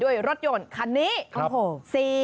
ด้วยรถยนต์คันนี้